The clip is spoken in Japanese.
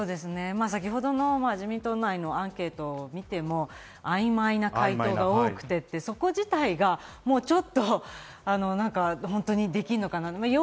先ほどの自民党内のアンケートを見ても曖昧な回答が多くてって、そこ自体がもうちょっと本当にできるのかな？